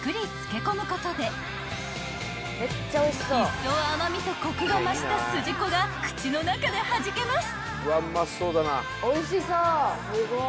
［いっそう甘味とコクが増したすじこが口の中ではじけます］